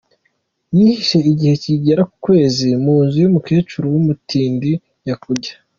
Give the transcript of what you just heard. Yihishe igihe kigera ku kwezi mu nzu y’umukecuru w’umutindi nyakujya.